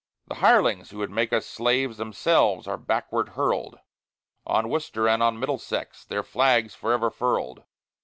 The hirelings who would make us slaves themselves are backward hurled, On Worcester and on Middlesex their flag's forever furled.